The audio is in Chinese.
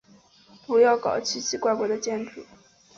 不要搞奇奇怪怪的建筑。